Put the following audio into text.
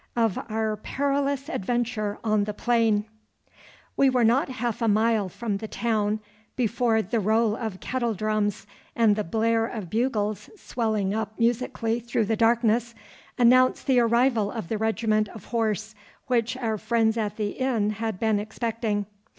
Of our Perilous Adventure on the Plain We were not half a mile from the town before the roll of kettledrums and the blare of bugles swelling up musically through the darkness announced the arrival of the regiment of horse which our friends at the inn had been expecting.